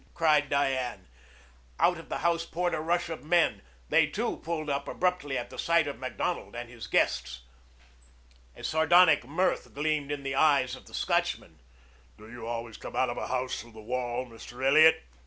cried Diane. Out of the house poured a rush of men. They too pulled up abruptly at sight of Macdonald and his guests. A sardonic mirth gleamed in the eyes of the Scotchman. "Do you always come out of a house through the wall, Mr. Elliot?"